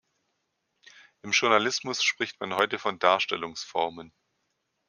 Im Journalismus spricht man heute von Darstellungsformen.